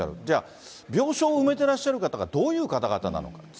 じゃあ、病床を埋めてらっしゃる方がどういう方々なのか。